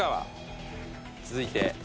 続いて。